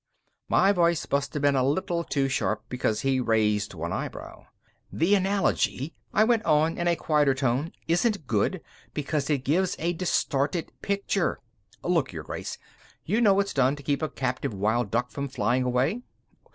_" My voice must have been a little too sharp, because he raised one eyebrow. "The analogy," I went on in a quieter tone, "isn't good because it gives a distorted picture. Look, Your Grace, you know what's done to keep a captive wild duck from flying away?"